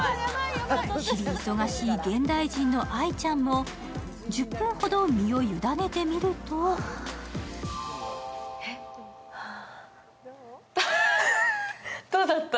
日々忙しい現代人の愛ちゃんも１０分ほど身を委ねてみるとはあ。